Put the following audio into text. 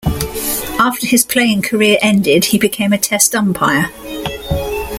After his playing career ended, he became a Test umpire.